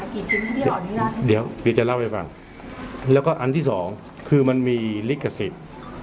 ที่รอดนี้ล่ะเดี๋ยวเดี๋ยวจะเล่าให้ฟังแล้วก็อันที่สองคือมันมีลิขสิทธิ์